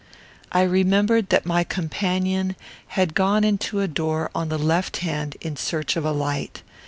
I remembered that my companion had gone into a door on the left hand, in search of a light.